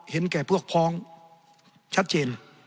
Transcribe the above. เห็นแก่พวกพองชัดเจน